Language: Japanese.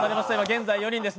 現在４人です。